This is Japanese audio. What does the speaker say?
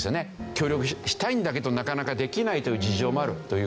協力したいんだけどなかなかできないという事情もあるという事ですね。